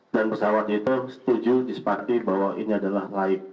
dan pesawat itu setuju disepakati bahwa ini adalah laik